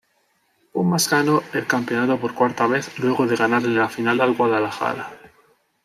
Pumas ganó el campeonato por cuarta vez luego de ganarle la final al Guadalajara.